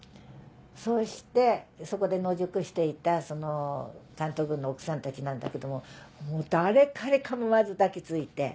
そしてそこで野宿していたその関東軍の奥さんたちなんだけどももう誰彼構わず抱き付いて。